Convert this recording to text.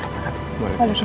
sampai jumpa lagi